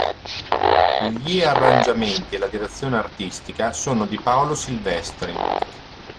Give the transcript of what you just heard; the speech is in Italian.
Gli arrangiamenti e la direzione artistica sono di Paolo Silvestri.